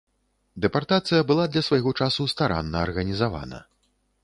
Дэпартацыя была для свайго часу старанна арганізавана.